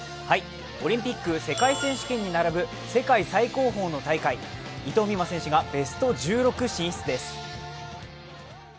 オリンピック世界選手権に並ぶ世界最高峰の大会伊藤美誠選手がベスト１６進出です。